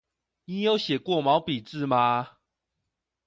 你有寫過毛筆字嗎？